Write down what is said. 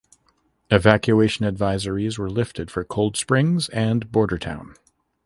Evacuation advisories were lifted for Cold Springs and Bordertown.